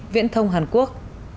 viễn thông hàn quốc